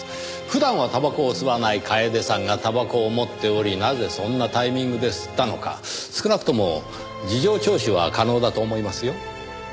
普段はたばこを吸わない楓さんがたばこを持っておりなぜそんなタイミングで吸ったのか少なくとも事情聴取は可能だと思いますよ。